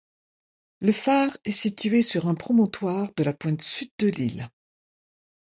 Le phare est situé sur un promontoire de la pointe sud de l'île.